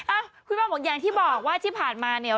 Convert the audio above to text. อ่ะคุณพ่อบอกอย่างที่บอกว่าที่ผ่านมาเนี่ย